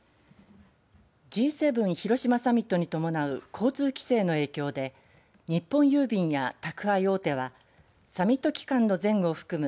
Ｇ７広島サミットに伴う交通規制の影響で日本郵便や宅配大手はサミット期間の前後を含む